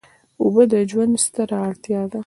اوبه د ژوند ستره اړتیا ده.